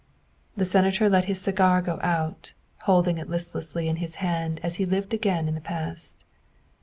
'' The Senator let his cigar go out, holding it listlessly in his hand as he lived again in the past.